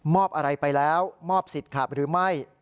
อะไรไปแล้วมอบสิทธิ์ขับหรือไม่